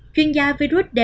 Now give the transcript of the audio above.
chuyên gia virus derivative